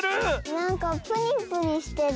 なんかプニプニしてる。